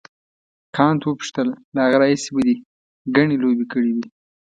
کانت وپوښتل له هغه راهیسې به دې ګڼې لوبې کړې وي.